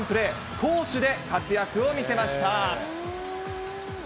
攻守で活躍を見せました。